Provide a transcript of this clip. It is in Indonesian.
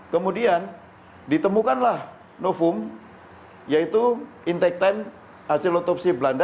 kemudian ditemukanlah nofum yaitu intake time hasil otopsi belanda